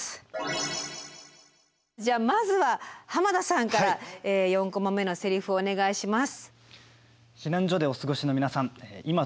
じゃあまずは濱田さんから４コマ目のセリフをお願いします。